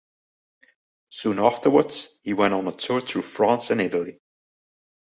Soon afterwards he went on a tour through France and Italy.